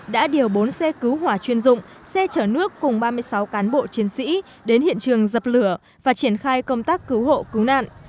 đã điều bốn xe cứu hỏa chuyên dụng xe chở nước cùng ba mươi sáu cán bộ chiến sĩ đến hiện trường dập lửa và triển khai công tác cứu hộ cứu nạn